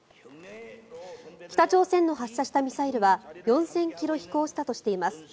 北朝鮮の発射したミサイルは４０００ｋｍ飛行したとしています。